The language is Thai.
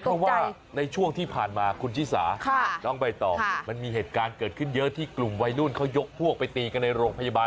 เพราะว่าในช่วงที่ผ่านมาคุณชิสาน้องใบตองมันมีเหตุการณ์เกิดขึ้นเยอะที่กลุ่มวัยรุ่นเขายกพวกไปตีกันในโรงพยาบาล